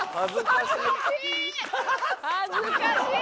恥ずかしい！